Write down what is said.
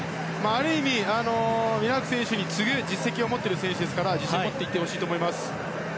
ある意味、ミラーク選手に次ぐ実績を持っている選手ですから自信を持っていってほしいと思います。